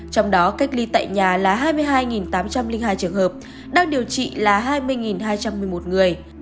trong đó cách ly tại nhà là hai mươi hai tám trăm linh hai trường hợp đang điều trị là hai mươi hai trăm một mươi một người